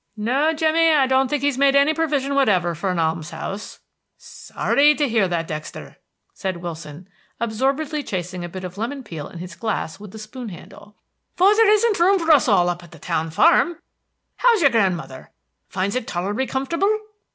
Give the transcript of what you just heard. "No, Jemmy, I don't think he has made any provision whatever for an almshouse." "Sorry to hear that, Dexter," said Willson, absorbedly chasing a bit of lemon peel in his glass with the spoon handle, "for there isn't room for us all up at the town farm. How's your grandmother? Finds it tol'rably comfortable?"